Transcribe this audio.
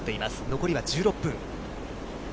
残りは１６分。